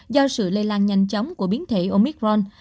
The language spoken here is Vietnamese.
do sự lây lan nhanh chóng của biến thể omicron